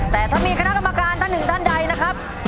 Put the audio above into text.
แต่ถ้ามีคณะกรรมการท่านหนึ่งท่านใดนะครับ